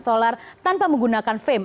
solar tanpa menggunakan fem